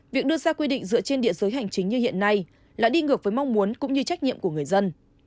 việc đưa ra quy định dựa trên địa giới hành chính như hiện nay là đi ngược với mong muốn cũng như trách nhiệm của người dân